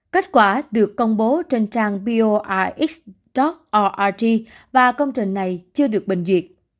kết quả được công bố trên trang biorx org và công trình này chưa được bình duyệt